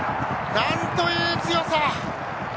なんという強さ。